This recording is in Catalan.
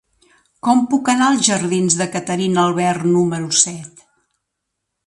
Com puc anar als jardins de Caterina Albert número set?